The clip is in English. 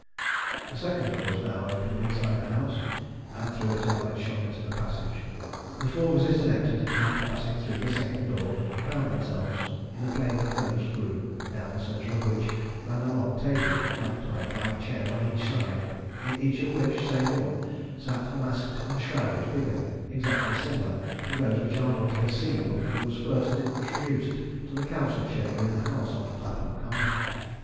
A second door was now opened inside the house, and through it a light shone into the passage. The four visitors entered, and, passing through the second door, found themselves in a plainly furnished room, down the centre of which ran a long table, flanked by five chairs on each side, in each of which, save one, sat a masked and shrouded figure exactly similar to those which Arnold had seen when he was first introduced to the Council chamber in the house on Clapham Common.